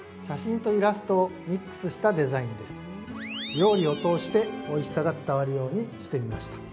料理を通しておいしさが伝わるようにしてみました。